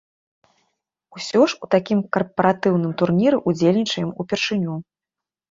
Усё ж у такім карпаратыўным турніры ўдзельнічаем ўпершыню.